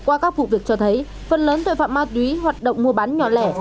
qua các vụ việc cho thấy phần lớn tội phạm ma túy hoạt động mua bán nhỏ lẻ